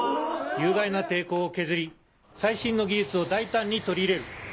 有害な抵抗を削り最新の技術を大胆に取り入れる。